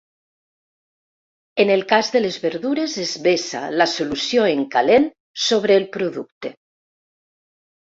En el cas de les verdures es vessa la solució en calent sobre el producte.